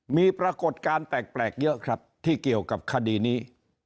มีปรากฏการณ์แปลกเยอะครับที่เกี่ยวกับคดีนี้